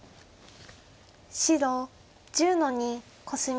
白１０の二コスミ。